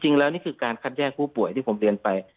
นี่คือการคัดแยกผู้ป่วยที่ผมเรียนไป